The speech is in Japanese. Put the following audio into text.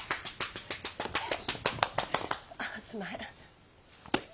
あすんまへん。